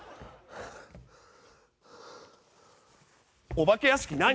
お化け屋敷何？